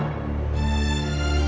aku mau ke sana